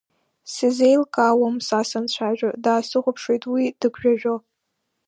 Сизелкаауам са санцәажәо, даасыхәаԥшуеит уи дыгәжәажәо.